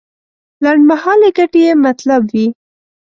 لنډمهالې ګټې یې مطلب وي.